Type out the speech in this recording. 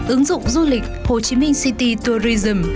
ứng dụng du lịch hồ chí minh city tourism